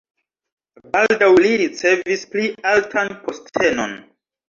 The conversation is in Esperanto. Baldaŭ li ricevis pli altan postenon.